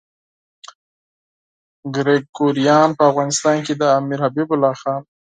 ګریګوریان په افغانستان کې د امیر حبیب الله خان.